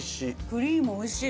クリームおいしい。